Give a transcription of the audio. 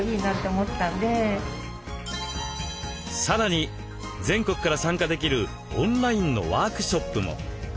さらに全国から参加できるオンラインのワークショップも。